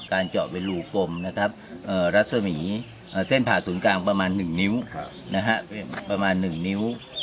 การจอกเป็นรูกลมระนะสมีเส้นผ่าศูนย์กลางประมาณ๑นิ้ว